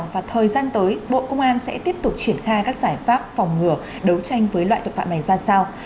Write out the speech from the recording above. và thời gian tới bộ công an sẽ tiếp tục triển khai các giải pháp phòng ngừa đấu tranh với loại tội phạm này ra sao